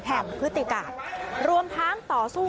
แถมพฤติกาศรวมทางต่อสู้